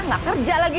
gak kerja lagi